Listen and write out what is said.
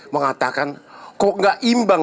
mengatakan kok gak imbang